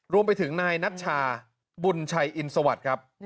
รวมไปถึงนายนัชชาบุญชัยอินสวัสดิ์ครับ